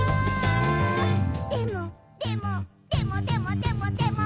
でも、でも、でもでもでもでも」